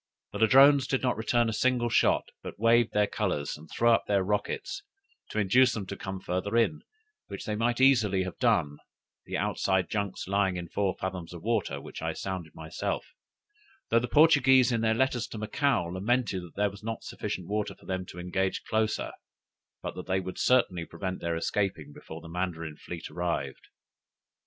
The Ladrones did not return a single shot, but waved their colors, and threw up rockets, to induce them to come further in, which they might easily have done, the outside junks lying in four fathoms water, which I sounded myself: though the Portuguese in their letters to Macao lamented there was not sufficient water for them to engage closer, but that they would certainly prevent their escaping before the Mandarin fleet arrived!